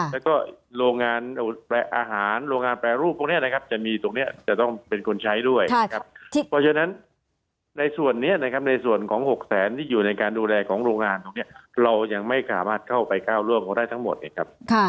แล้วก็โรงงานอาหารโรงงานแปรรูปตรงนี้นะครับจะมีตรงนี้จะต้องเป็นคนใช้ด้วยนะครับเพราะฉะนั้นในส่วนนี้นะครับในส่วนของ๖แสนที่อยู่ในการดูแลของโรงงานตรงนี้เรายังไม่สามารถเข้าไปก้าวร่วงได้ทั้งหมดนะครับ